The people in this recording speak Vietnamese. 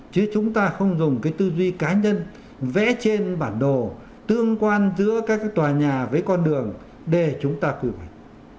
chứ chúng ta không dùng cái tư duy cá nhân vẽ trên bản đồ tương quan giữa các tòa nhà với con đường để chúng ta quy hoạch